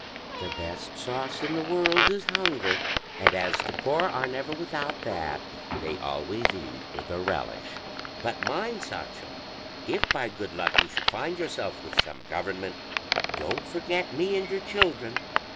The best sauce in the world is hunger, and as the poor are never without that, they always eat with a relish. But mind, Sancho, if by good luck you should find yourself with some government, don't forget me and your children.